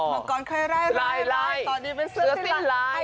เมื่อก่อนเคยไล่ตอนนี้เป็นเสื้อสิ้นลาย